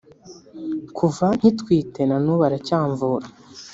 kuva nkitwite na n’ubu aracyamvuga